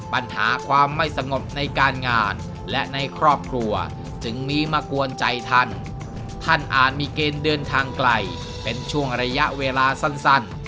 ปัญหาความไม่สงบในการงานและในครอบครัวจึงมีมากวนใจท่านท่านอาจมีเกณฑ์เดินทางไกลเป็นช่วงระยะเวลาสั้น